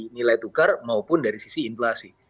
nilai tukar maupun dari sisi inflasi